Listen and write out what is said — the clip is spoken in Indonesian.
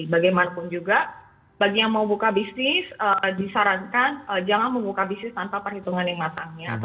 bagaimanapun juga bagi yang mau buka bisnis disarankan jangan membuka bisnis tanpa perhitungan yang matangnya